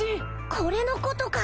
これのことか！